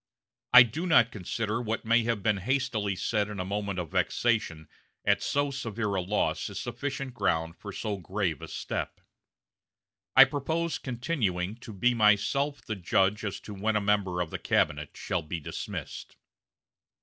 I do not consider what may have been hastily said in a moment of vexation at so severe a loss is sufficient ground for so grave a step.... I propose continuing to be myself the judge as to when a member of the cabinet shall be dismissed."